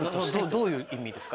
どういう意味ですか？